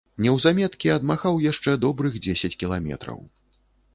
Неўзаметкі адмахаў яшчэ добрых дзесяць кіламетраў.